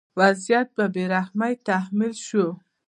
وضعیت په بې رحمۍ تحمیل شوی.